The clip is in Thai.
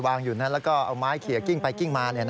อยู่นั้นแล้วก็เอาไม้เขี่ยกิ้งไปกิ้งมา